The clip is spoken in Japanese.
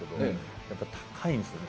やっぱり高いんですね。